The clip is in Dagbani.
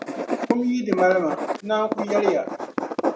Kum n-yi di mali ma, n naan ku yɛli ya.